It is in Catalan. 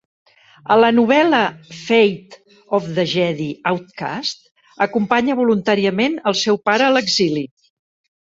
A la novel·la "Fate of the Jedi: Outcast", acompanya voluntàriament el seu pare a l'exili.